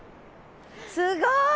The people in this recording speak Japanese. すごい！